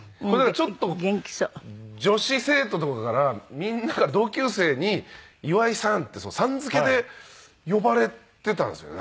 ちょっと女子生徒とかからみんなから同級生に「岩井さん」って「さん」付けで呼ばれていたんですよね。